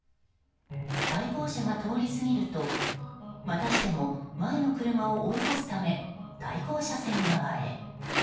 対向車が通り過ぎるとまたしても前の車を追い越すため対向車線側へ。